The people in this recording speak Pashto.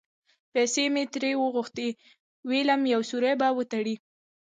پیسې مې ترې وغوښتې؛ وېلم یو سوری به وتړي.